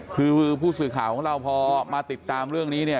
คือผู้สื่อข่าวของเราพอมาติดตามเรื่องนี้เนี่ย